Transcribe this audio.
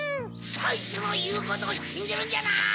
そいつのいうことをしんじるんじゃない！